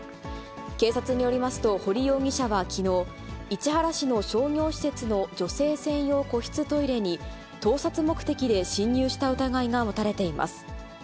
警察によりますと、堀容疑者はきのう、市原市の商業施設の女性専用個室トイレに、盗撮目的で侵入した疑いが持たれています。